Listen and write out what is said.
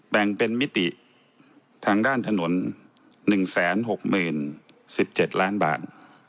แบ่งเป็นมิติทางด้านถนน๑๖๐๑๗ล้านบาท